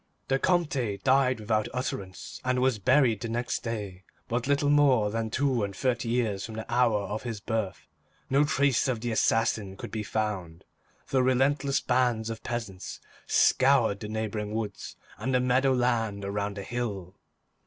The Comte died without utterance, and was buried the next day, but little more than two and thirty years from the hour of his birth. No trace of the assassin could be found, though relentless bands of peasants scoured the neighboring woods and the meadow land around the hill.